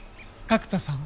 角田さん。